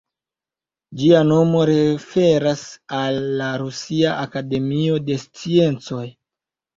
Ĝia nomo referas al la Rusia Akademio de Sciencoj.